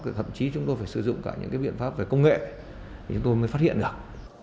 thậm chí chúng tôi phải sử dụng cả những cái biện pháp về công nghệ thì chúng tôi mới phát hiện được